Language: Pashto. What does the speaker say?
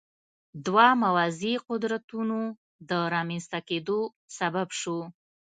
دوه موازي قدرتونو د رامنځته کېدو سبب شو.